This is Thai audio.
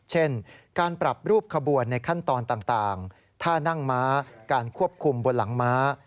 เช่นการปรับรูปขบวนในขั้นตอนต่างท่านั่งม้าการควบคุมบนหลังม้า